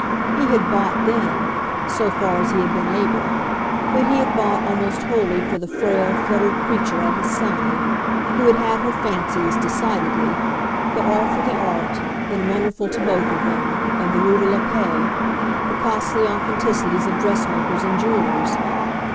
He had "bought" then, so far as he had been able, but he had bought almost wholly for the frail, fluttered creature at his side, who had had her fancies, decidedly, but all for the art, then wonderful to both of them, of the Rue de la Paix, the costly authenticities of dressmakers and jewellers.